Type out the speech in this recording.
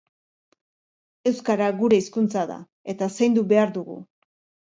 Euskara gure hizkuntza da eta zaindu behar dugu.